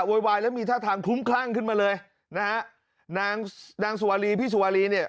วายแล้วมีท่าทางคลุ้มคลั่งขึ้นมาเลยนะฮะนางนางสุวารีพี่สุวารีเนี่ย